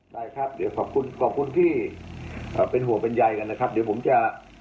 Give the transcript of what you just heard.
ได้ครับเดี๋ยวขอบคุณขอบคุณที่เป็นห่วงเป็นใยกันนะครับเดี๋ยวผมจะ